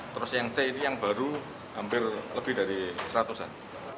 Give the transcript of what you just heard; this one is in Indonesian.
terus yang c ini yang baru hampir lebih dari seratus an